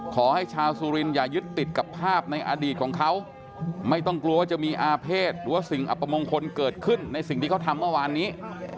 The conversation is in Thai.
ขอให้ชาวสุรินอย่ายึดติดกับภาพในอดีตของเขาไม่ต้องกลัวว่าจะมีอาเภษหรือว่าสิ่งอัปมงคลเกิดขึ้นในสิ่งที่เขาทำเมื่อวานนี้